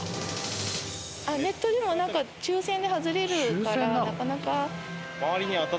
ネットでもなんか抽選で外れるからなかなか。